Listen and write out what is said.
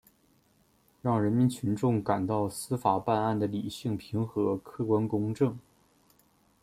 让人民群众感受到司法办案的理性平和、客观公正